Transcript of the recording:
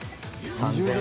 ３０００円。